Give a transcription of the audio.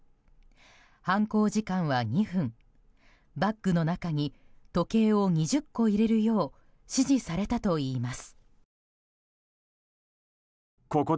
犯行時間は２分バッグの中に時計を２０個入れるよう指示されたといいます。